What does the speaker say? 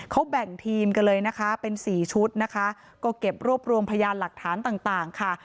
เขาแบ่งทีมกันเลยนะคะเป็นสี่ชุดนะคะก็เก็บรวบรวมพยานหลักฐานต่างต่างค่ะ